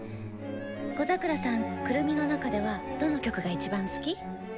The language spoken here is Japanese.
小桜さん「くるみ」の中ではどの曲がいちばん好き？